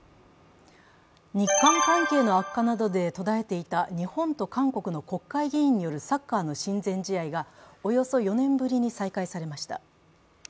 日韓関係の悪化などで途絶えていた日本の韓国の国会議員によるサッカーの親善試合がおよそ４年ぶりに再開されました。